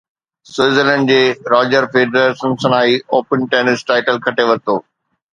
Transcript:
Switzerland جي Roger Federer Cincinnati Open tennis title کٽي ورتو